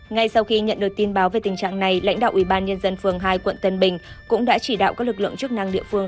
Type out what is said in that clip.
ngay sau khi nhận được tin báo về tình trạng này lãnh đạo ủy ban nhân dân phường hai quận tân bình cũng đã chỉ đạo các lực lượng chức năng địa phương